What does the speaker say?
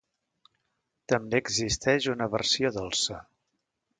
També existeix una versió dolça.